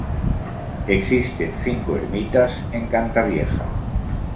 Existen cinco ermitas en Cantavieja.